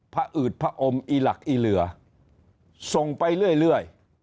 อืดผอมอีหลักอีเหลือส่งไปเรื่อย